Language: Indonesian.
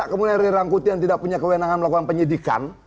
kemudian rirangkuti yang tidak punya kewenangan melakukan penyidikan